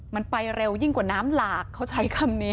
มันไปเร็วยิ่งกว่าน้ำหลากเขาใช้คำนี้